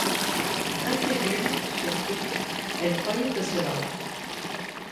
Incrédule sur tout, elle croyait à cela...